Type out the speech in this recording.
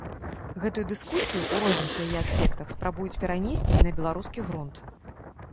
Гэтую дыскусію, у розных яе аспектах, спрабуюць перанесці і на беларускі грунт.